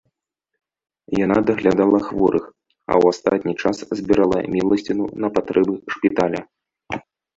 Яна даглядала хворых, а ў астатні час збірала міласціну на патрэбы шпіталя.